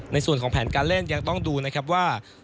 ในส่วนของแผนการเล่นยังต้องดูนะครับว่า